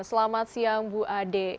selamat siang bu ade